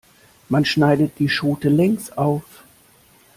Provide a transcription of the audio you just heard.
Man schneidet die Schote längs auf.